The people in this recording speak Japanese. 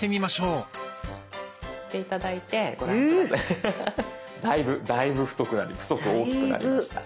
う！だいぶだいぶ太く太く大きくなりました。